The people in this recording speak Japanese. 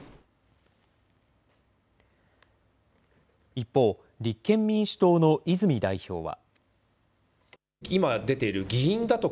一方、立憲民主党の泉代表は。